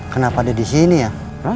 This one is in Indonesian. kenapa ada disini ya